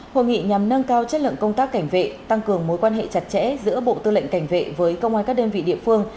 hội nghị nhằm nâng cao chất lượng công tác cảnh vệ tăng cường mối quan hệ chặt chẽ giữa bộ tư lệnh cảnh vệ với công an các đơn vị địa phương